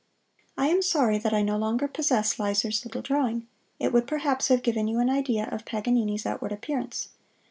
I am sorry that I no longer possess Lyser's little drawing; it would perhaps have given you an idea of Paganini's outward appearance.